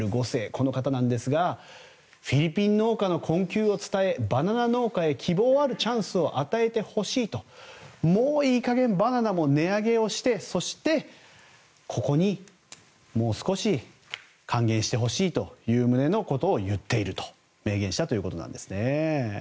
この方なんですがフィリピン農家の困窮を伝えバナナの農家へ希望あるチャンスを与えてほしいともういい加減バナナも値上げをして、ここにもう少し還元してほしいという旨のことを明言したということなんですね。